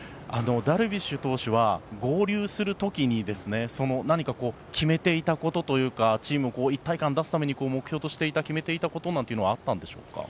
ダルビッシュ投手は合流する時に何か決めていたことというかチーム、一体感を出すために目標としていた決めていたことはあったんでしょうか。